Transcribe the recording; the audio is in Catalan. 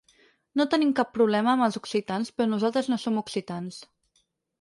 No tenim cap problema amb els occitans però nosaltres no som occitans.